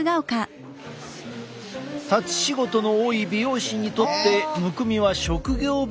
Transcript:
立ち仕事の多い美容師にとってむくみは職業病ともいわれている。